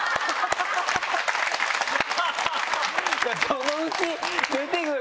「そのうち出てくる」。